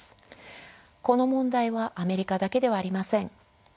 この問題はアメリカだけではありません。